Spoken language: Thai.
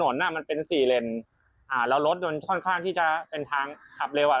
ถนนมันเป็นสี่เร่งอ่าแล้วนึกค่อนข้างที่จะเป็นทางขับเร็วอ่า